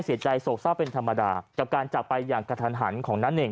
เสียใจโศกเศร้าเป็นธรรมดากับการจับไปอย่างกระทันหันของนั้นเอง